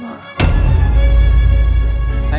saya tidak ingin